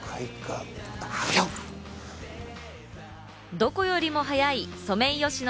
どこよりも早いソメイヨシノ